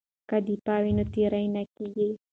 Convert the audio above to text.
که دفاع وي نو تیری نه کیږي.